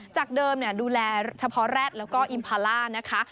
จากเดิมดูแลเฉพาะแรดแล้วอีมภาระนะคะ